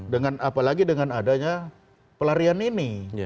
dengan apalagi dengan adanya pelarian ini